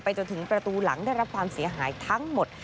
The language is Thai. จนถึงประตูหลังได้รับความเสียหายทั้งหมด